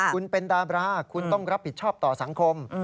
คุณเป็นดาบราคุณต้องรับผิดชอบต่อสังคม